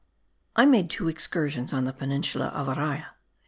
I made two excursions on the peninsula of Araya.